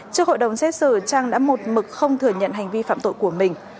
trước hội đồng xét xử trang đã một mực không thừa nhận hành vi phạm tội của mình